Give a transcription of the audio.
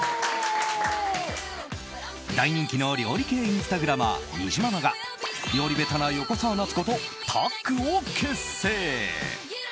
大人気の料理系インスタグラマーにじままが料理ベタな横澤夏子とタッグを結成。